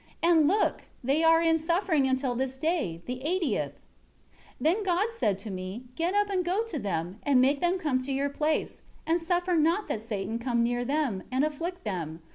And look, they are in suffering until this day, the eightieth.' 15 Then God said to me, 'Get up, go to them, and make them come to your place, and suffer not that Satan come near them, and afflict them.